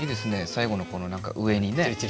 最後のこのなんか上にね